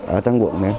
ở trang quận